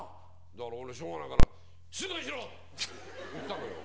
だから俺しょうがないから「静かにしろ！」って言ったのよ。